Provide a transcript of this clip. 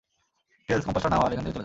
Tales, কম্পাসটা নাও আর এখান থেকে চলে যাও!